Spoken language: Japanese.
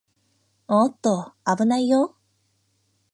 おーっと、あぶないよー